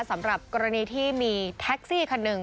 สำหรับกรณีที่มีแท็กซี่คันหนึ่ง